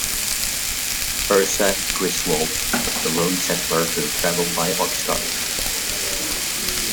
Ezra Griswold was the lone settler who traveled by oxcart.